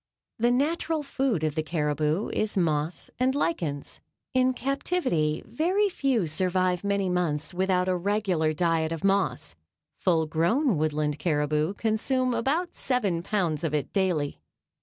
The natural food of the caribou is moss and lichens. In captivity very few survive many months without a regular diet of moss. Full grown Woodland caribou consume about seven pounds of it daily.